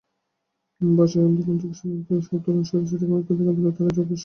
ভাষা আন্দোলন থেকে স্বাধীনতাসংগ্রাম সব ধরনের স্বৈরাচারবিরোধী গণতান্ত্রিক আন্দোলনে তাঁরাই অগ্রসেনা।